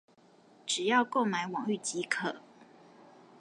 只要購買網域即可